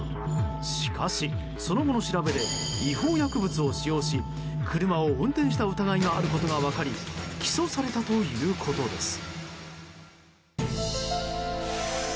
しかし、その後の調べで違法薬物を使用し車を運転した疑いがあることが分かり起訴されたということです。